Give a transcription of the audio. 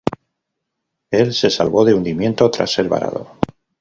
El se salvó del hundimiento tras ser varado.